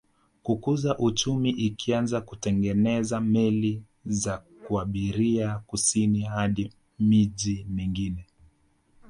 Kukuza uchumi ikaanza kutengeneza meli za kuabiria kusini hadi miji mingine